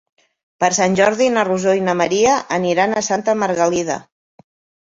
Per Sant Jordi na Rosó i na Maria aniran a Santa Margalida.